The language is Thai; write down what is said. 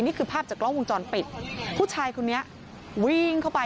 นี่คือภาพจากกล้องวงจรปิดผู้ชายคนนี้วิ่งเข้าไป